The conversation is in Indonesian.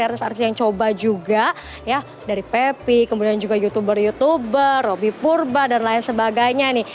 artis artis yang coba juga ya dari pepi kemudian juga youtuber youtuber robby purba dan lain sebagainya nih